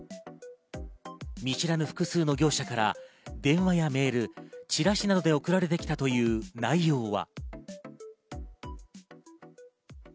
見知らぬ複数の業者から電話やメール、チラシなどで送られてきたという内容は。